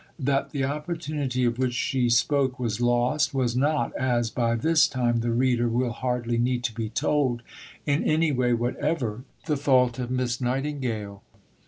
That the opportunity of which she spoke was lost, was not, as by this time the reader will hardly need to be told, in any way whatever the fault of Miss Nightingale.